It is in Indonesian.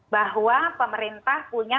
bahwa pemerintah punya